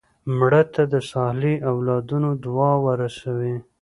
مړه ته د صالح اولادونو دعا ورسوې